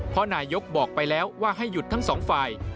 เพราะนายกบอกไปแล้วว่าให้หยุดทั้งสองฝ่าย